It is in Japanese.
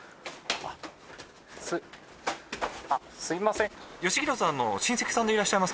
すあっすいません。